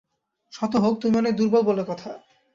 শত হোক, তুমি অনেক দুর্বল বলে কথা।